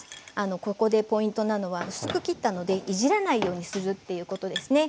ここでポイントなのは薄く切ったのでいじらないようにするっていうことですね。